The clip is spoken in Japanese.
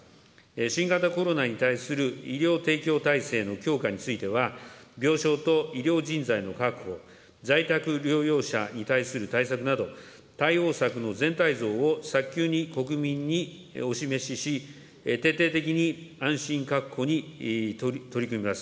新型コロナに対する医療提供体制の強化については、病床と医療人材の確保、在宅療養者に対する対策など、対応策の全体像を早急に国民にお示しし、徹底的に安心確保に取り組みます。